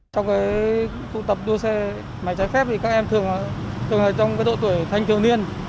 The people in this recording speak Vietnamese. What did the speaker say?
trong phụ tập đua xe máy trái phép thì các em thường là trong độ tuổi thanh thường niên